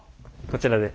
こちらで。